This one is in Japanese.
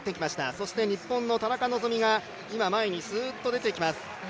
そして日本の田中希実が今、前にすーっと出て行きます。